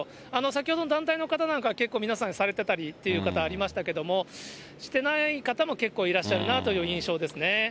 先ほどの団体の方なんかは結構皆さん、されてたりっていう方、ありましたけれども、してない方も結構いらっしゃるなという印象ですね。